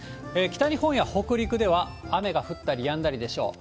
北日本や北陸では、雨が降ったりやんだりでしょう。